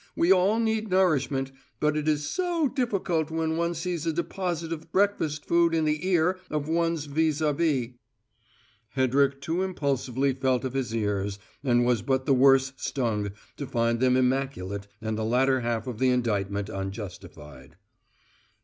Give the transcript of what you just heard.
We all need nourishment, but it is so difficult when one sees a deposit of breakfast food in the ear of one's vis a vis." Hedrick too impulsively felt of his ears and was but the worse stung to find them immaculate and the latter half of the indictment unjustified.